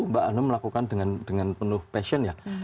mbak anne melakukan dengan penuh passion ya